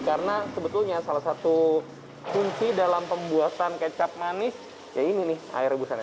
karena sebetulnya salah satu kunci dalam pembuatan kecap manis ya ini nih air rebusannya